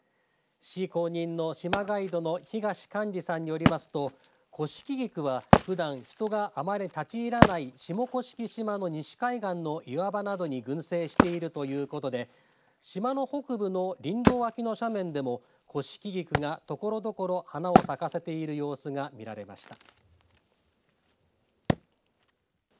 市公認の島ガイドの東完治さんによりますとコシキギクは、ふだん人があまり立ち入らない下甑島の西海岸の岩場などに群生しているということで島の北部の林道脇の斜面でもコシキギクがところどころ花を咲かせている様子が見られました。